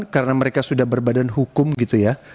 karena mereka sudah berbadan hukum gitu ya